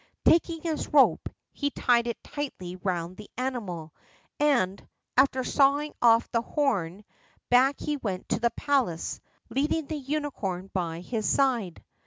Taking his rope, he tied it tightly round the animal, and, after sawing off the horn, back he went to the palace, leading the unicorn by his side.